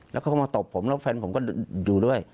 แล้วเขาก็มาตบผมแล้วแฟนผมก็อยู่ด้วย